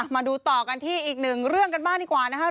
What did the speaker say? มาดูต่อกันที่อีกหนึ่งเรื่องกันบ้างดีกว่านะครับ